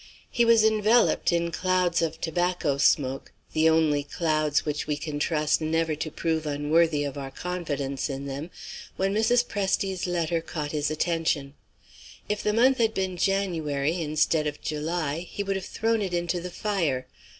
He was enveloped in clouds of tobacco smoke the only clouds which we can trust never to prove unworthy of our confidence in them when Mrs. Presty's letter caught his attention. If the month had been January instead of July, he would have thrown it into the fire.